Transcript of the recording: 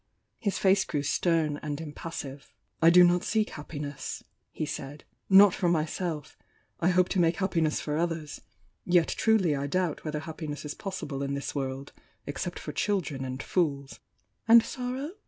His face grew stern and impassive. "I do not seek happiness," he said— "Not for my self. I hope to make happiness for others. Yet truly I doubt whether happiness is possible in this world, except for children and fools." "And sorrow?"